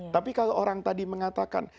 tapi kalau orang tadi mengatakan